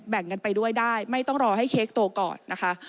แบ่งกันไปด้วยได้ไม่ต้องรอให้เค้กโตก่อนนะคะ